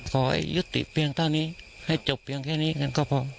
ขอให้ยุติเพียงเท่านี้ให้จบแค่นี้ก็พอ